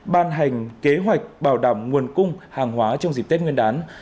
ban hành kế hoạch bảo đảm nguồn cung hàng hóa trong dịp tết nguyên đán